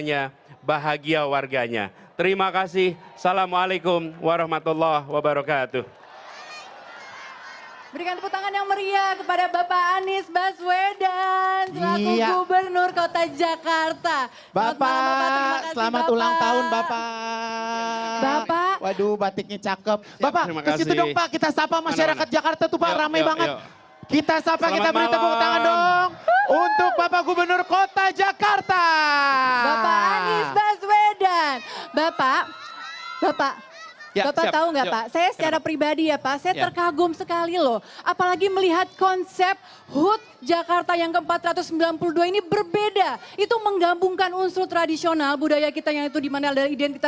ada gambar gambar tambahan yang muncul di sini